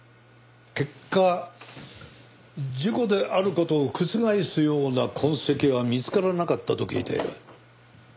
結果事故である事を覆すような痕跡は見つからなかったと聞いている。